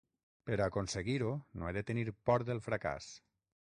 Per a aconseguir-ho, no he de tenir por del fracàs.